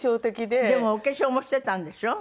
でもお化粧もしてたんでしょ？